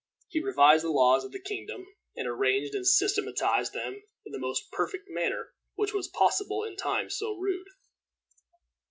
He revised the laws of the kingdom, and arranged and systematized them in the most perfect manner which was possible in times so rude.